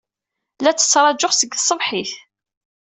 La tt-ttṛajuɣ seg tṣebḥit.